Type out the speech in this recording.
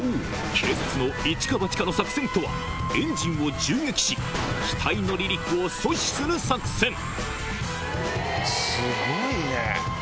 警察のイチかバチかの作戦とはエンジンを銃撃し機体の離陸を阻止する作戦すごいね。